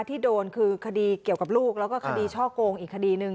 ที่โดนคือคดีเกี่ยวกับลูกแล้วก็คดีช่อโกงอีกคดีหนึ่ง